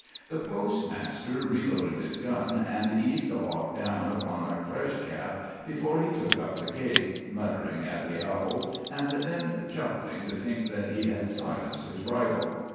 The postmaster reloaded his gun and eased the lock down upon a fresh cap before he took up the cake, muttering at the owl, and then chuckling to think that he had silenced his rival.